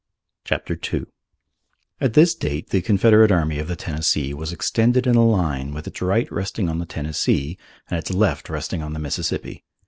CHAPTER II At this date the Confederate Army of the Tennessee was extended in a line with its right resting on the Tennessee and its left resting on the Mississippi.